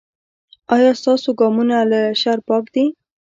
ایا ستاسو ګامونه له شر پاک دي؟